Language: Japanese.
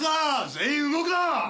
全員動くな！